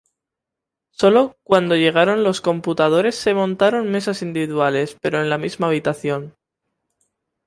Sólo cuando llegaron los computadores se montaron mesas individuales, pero en la misma habitación.